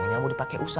saya mau keluar